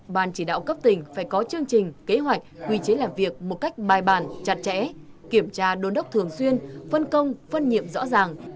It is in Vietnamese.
ban chỉ đạo cấp tỉnh phải có chương trình kế hoạch quy chế làm việc một cách bài bản chặt chẽ kiểm tra đôn đốc thường xuyên phân công phân nhiệm rõ ràng